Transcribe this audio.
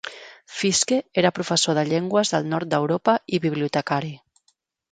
Fiske era professor de llengües del nord d'Europa i bibliotecari.